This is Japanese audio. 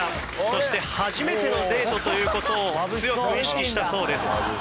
そして初めてのデートという事を強く意識したそうです。